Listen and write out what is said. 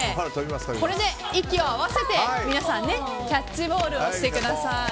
これで息を合わせて、皆さんキャッチボールをしてください。